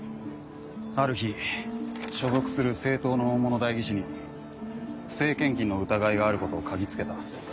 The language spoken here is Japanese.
ある日所属する政党の大物代議士に不正献金の疑いがあることを嗅ぎつけた。